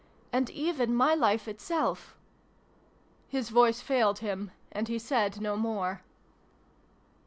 And even my life itself His voice failed him, and he said no more.